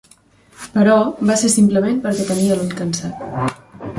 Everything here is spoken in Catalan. Però, va ser simplement perquè tenia l'ull cansat.